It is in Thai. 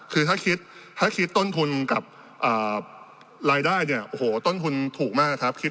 คือถ้าคิดต้นทุนกับรายได้เนี่ยโอ้โหต้นทุนถูกมากครับ